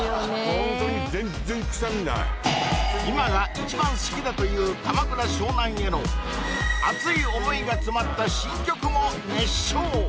ホントに今が一番好きだという鎌倉・湘南への熱い思いがつまった新曲も熱唱！